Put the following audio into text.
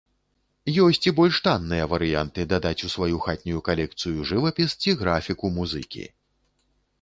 Ёсць і больш танныя варыянты дадаць у сваю хатнюю калекцыю жывапіс ці графіку музыкі.